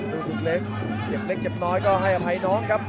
ลูกศึกเล็กเจ็บเล็กเจ็บน้อยก็ให้อภัยน้องครับ